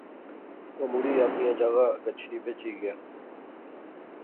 او مڑی اپنیاں جاغا گچھی بہجی گیا